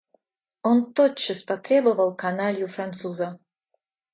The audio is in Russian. Он тотчас потребовал каналью француза.